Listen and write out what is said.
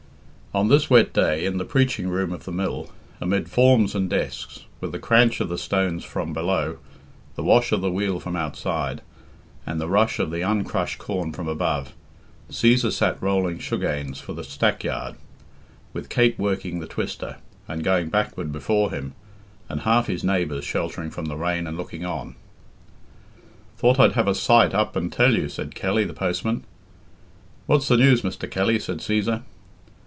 On this wet day, in the preaching room of the mill, amid forms and desks, with the cranch of the stones from below, the wash of the wheel from outside, and the rush of the uncrushed corn from above, Cæsar sat rolling sugganes for the stackyard, with Kate working the twister, and going backward before him, and half his neighbours sheltering from the rain and looking on. "Thought I'd have a sight up and tell you," said Kelly, the postman. "What's the news, Mr. Kelly?" said Cæsar.